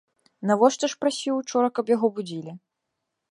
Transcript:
Навошта ж прасіў учора, каб яго будзілі?